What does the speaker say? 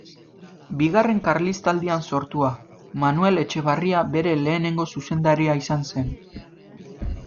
Bigarren Karlistaldian sortua, Manuel Etxebarria bere lehenengo zuzendaria izan zen.